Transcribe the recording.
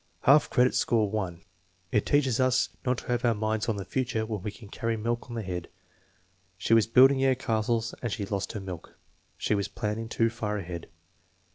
Half credit; score 1. "It teaches us not to have our minds on the future when we carry milk on the head. ''" She was buildin g air castles and so lost her milk." "She was planning too far ahead."